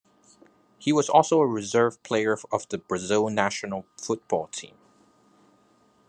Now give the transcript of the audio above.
He was also a reserve player of the Brazil national football team.